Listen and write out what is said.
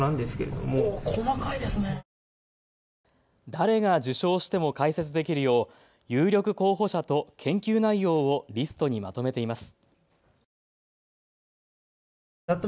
誰が受賞しても解説できるよう有力候補者と研究内容をリストにまとめています。